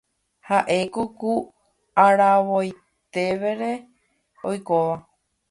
ha'éko ku aravoitére oikóva.